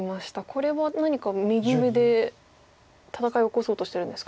これは何か右上で戦い起こそうとしてるんですか？